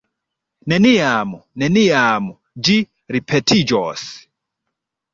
Neniam, neniam ĝi ripetiĝos!